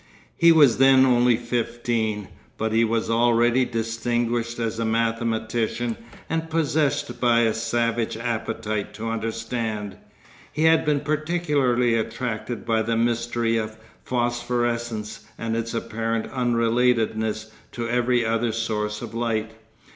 He was then only fifteen, but he was already distinguished as a mathematician and possessed by a savage appetite to understand. He had been particularly attracted by the mystery of phosphorescence and its apparent unrelatedness to every other source of light.